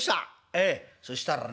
ええそしたらねえ